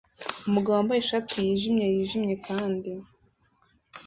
Umugabo wambaye ishati yijimye yijimye kandi